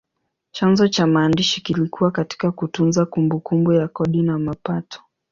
Chanzo cha maandishi kilikuwa katika kutunza kumbukumbu ya kodi na mapato.